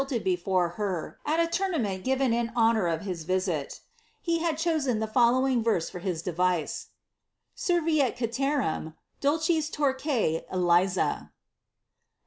lihed before her, at a lournameat given in honour of his visit. He hi chosen the following verse for his device :— "Smfiri afn nmn, dulni tarqvrt Elixa." ' The